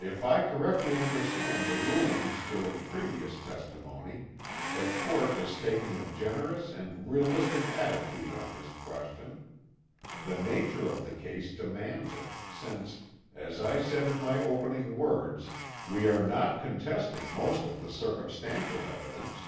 If I correctly understand the rulings during previous testimony, the Court is taking a generous and realistic attitude on this question. The nature of the case demands it, since, as I said in my opening words, we are not contesting most of the circumstantial evidence.